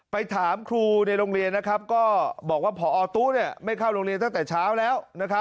ไปถามครูในโรงเรียนก็บอกว่าพอตู้ไม่เข้าโรงเรียนตั้งแต่เช้าแล้ว